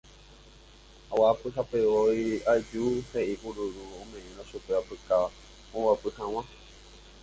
Aguapyhápevoi aju he'i kururu oñeme'ẽrõ chupe apyka oguapy hag̃ua